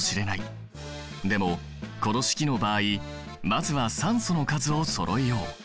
でもこの式の場合まずは酸素の数をそろえよう！